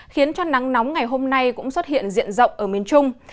khiến cho nắng nóng ngày hôm nay cũng xuất hiện diện rộng ở miền trung